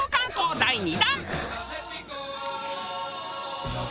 第２弾。